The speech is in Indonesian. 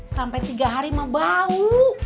sampai tiga hari mau bau